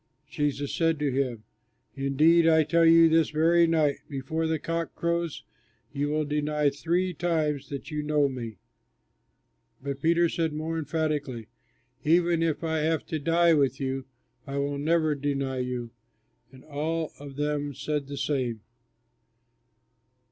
Jesus said to him, "Indeed I tell you, this very night before the cock crows you will deny three times that you know me." But Peter said more emphatically, "Even if I have to die with you, I will never deny you." And all of them said the same.